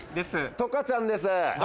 トカちゃんです！